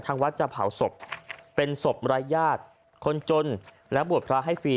วัดจะเผาศพเป็นศพรายญาติคนจนและบวชพระให้ฟรี